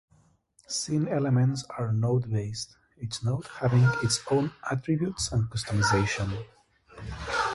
Scene elements are node-based, each node having its own attributes and customization.